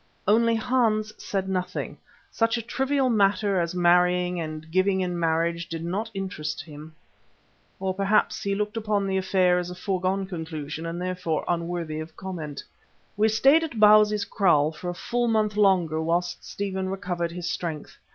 Only Hans said nothing. Such a trivial matter as marrying and giving in marriage did not interest him. Or, perhaps, he looked upon the affair as a foregone conclusion and therefore unworthy of comment. We stayed at Bausi's kraal for a full month longer whilst Stephen recovered his strength.